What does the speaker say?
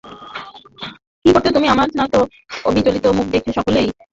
আমার শান্ত অবিচলিত মুখ দেখে সকলেই নির্বিকার মহাপুরুষ বলে আমার পায়ের ধুলো নিলে।